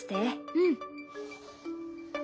うん。